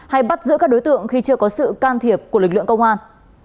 hay bắt giữ các đối tượng khi chưa có sự can thiệp của lực lượng công an